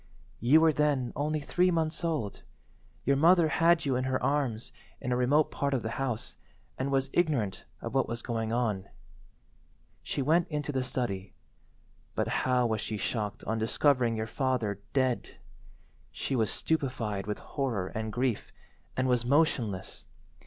"You were then only three months old. Your mother had you in her arms in a remote part of the house, and was ignorant of what was going on. She went into the study, but how was she shocked on discovering your father dead. She was stupefied with horror and grief, and was motionless.